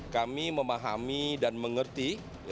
kami memahami dan mengerti